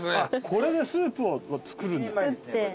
これでスープを作るんだ。